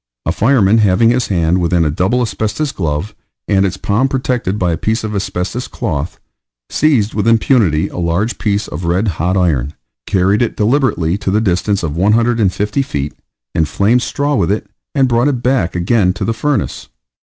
A fireman having his hand within a double asbestos glove, and its palm protected by a piece of asbestos cloth, seized with impunity a large piece of red hot iron, carried it deliberately to the distance of 150 feet, inflamed straw with it, and brought it back again to the furnace.